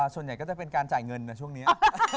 ส่วนใหญ่ก็จะเป็นการจ่ายเงินนะช่วงนี้